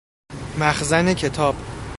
مخزن کتاب